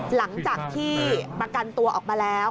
หลังจากที่ประกันตัวออกมาแล้ว